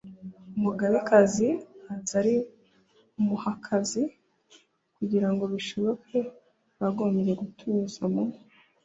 umugabekazi azaba ari umuhakazi kugira ngo bishoboke bagombye gutumiza mu